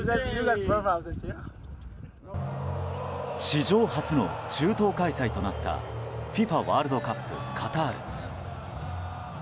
史上初の中東開催となったＦＩＦＡワールドカップカタール。